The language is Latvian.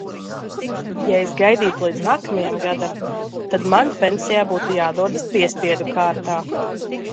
Ja es gaidītu līdz nākamajam gadam, tad man pensijā būtu jādodas piespiedu kārtā.